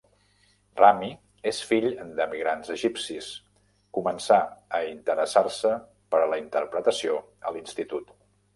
Rami és fill d'emigrants egipcis, començà a interessar-se per a la interpretació a l'Institut.